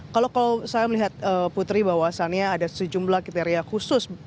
kalau saya melihat putri bahwasannya ada sejumlah kriteria khusus